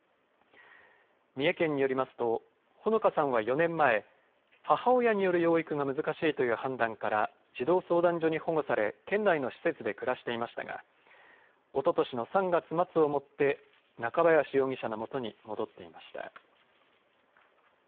三重県によりますとほのかさんは４年前母親による養育が難しいという判断から児童相談所に保護され県内の施設で暮らしていましたがおととしの３月末をもって中林容疑者の元に戻っていました。